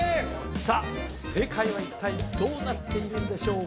さあ正解は一体どうなっているんでしょう？